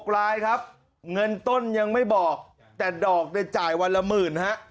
ลายครับเงินต้นยังไม่บอกแต่ดอกเนี่ยจ่ายวันละหมื่นฮะ